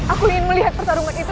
aku ingin melihat pertarungan itu